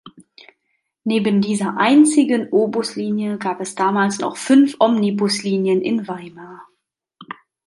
Neben dieser einzigen Obuslinie gab es damals noch fünf Omnibuslinien in Weimar.